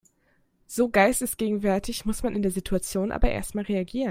So geistesgegenwärtig muss man in der Situation aber erstmal reagieren.